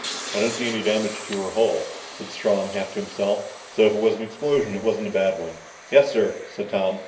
"I don't see any damage to her hull," said Strong half to himself. "So if it was an explosion, it wasn't a bad one." "Yes, sir," said Tom.